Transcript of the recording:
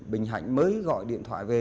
bình hạnh mới gọi điện thoại về